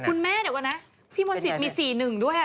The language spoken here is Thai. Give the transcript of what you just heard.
คุณแม่เดี๋ยวก่อนนะพี่มนต์สิทธิ์มี๔๑ด้วย